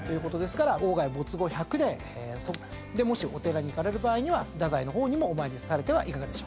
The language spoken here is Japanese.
鴎外没後１００年でもしお寺に行かれる場合には太宰の方にもお参りされてはいかがでしょうか。